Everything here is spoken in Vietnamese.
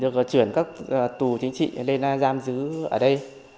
được và chuyển các tù chính trị lên giam giữ ở đây